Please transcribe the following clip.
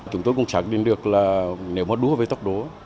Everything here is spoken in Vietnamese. chúng tôi cũng xác định được là nếu mà đúa với tốc đố